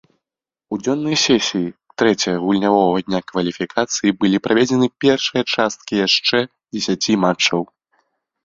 У дзённай сесіі трэцяга гульнявога дня кваліфікацыі былі праведзены першыя часткі яшчэ дзесяці матчаў.